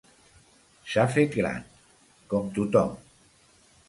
S'ha fet gran, com tothom.